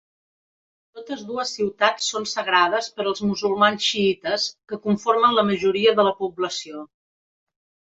Totes dues ciutats són sagrades per als musulmans xiïtes, que conformen la majoria de la població.